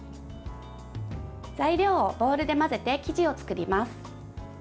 材料をボウルで混ぜて生地を作ります。